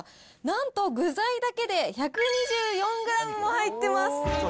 なんと具材だけで１２４グラムも入ってます。